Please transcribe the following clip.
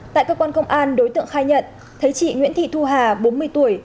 tại cơ quan công an đối tượng khai nhận thấy chị nguyễn thị thu hà bốn mươi tuổi